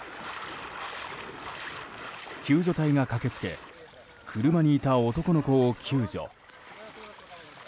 救助隊が駆けつけ車にいた男の子を救助。